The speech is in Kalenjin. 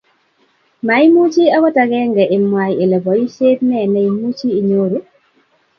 maimuch akot agange imwai ile boisiet nee neimuchi inyoru